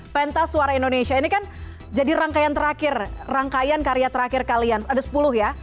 pentas suara indonesia ini kan jadi rangkaian terakhir rangkaian karya terakhir kalian ada sepuluh ya